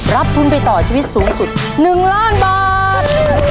รับทุนไปต่อชีวิตสูงสุด๑ล้านบาท